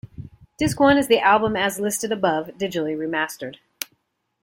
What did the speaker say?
Disc one is the album as listed above, digitally remastered.